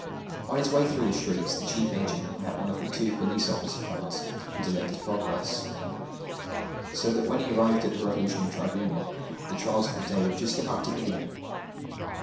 On his way through the streets, the chief agent met one or two police office friends, who delayed his progress; so that when he arrived at the revolutionary tribunal the trials of the day were just about to begin.